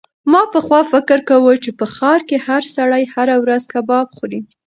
ما پخوا فکر کاوه چې په ښار کې هر سړی هره ورځ کباب خوري.